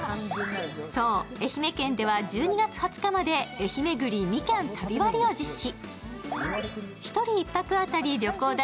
そう、愛媛県では１２月２０日までえひめぐりみきゃん旅割を実施。